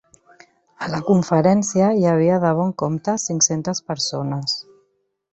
A la conferència, hi havia de bon compte cinc-centes persones.